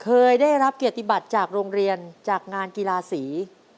เคยได้รับอภิกษึกภาทจากโรงเรียนจากงานกีฬาสี